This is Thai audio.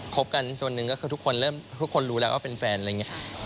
บกันส่วนหนึ่งก็คือทุกคนเริ่มทุกคนรู้แล้วว่าเป็นแฟนอะไรอย่างนี้